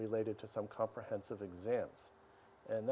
apakah saya masih memiliki keadaan itu